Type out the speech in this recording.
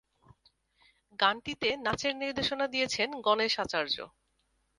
গানটিতে নাচের নির্দেশনা দিয়েছেন গণেশ আচার্য।